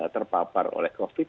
terpapar oleh covid sembilan belas